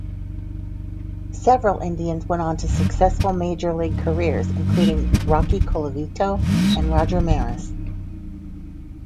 Several Indians went on to successful major-league careers, including Rocky Colavito and Roger Maris.